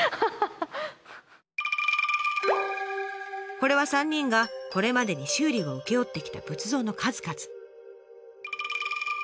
これは３人がこれまでに修理を請け負ってきた仏像の数々。